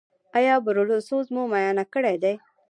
ایا بروسلوز مو معاینه کړی دی؟